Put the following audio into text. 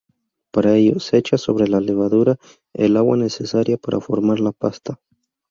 Para ello, se echa sobre la levadura el agua necesaria para formar la pasta.